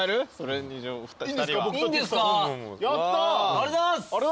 ありがとうございます。